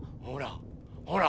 ほら！